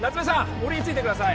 俺についてください